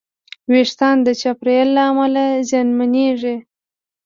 وېښتيان د چاپېریال له امله زیانمنېږي.